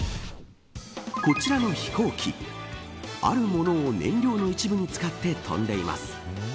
こちらの飛行機あるものを燃料の一部に使って飛んでいます。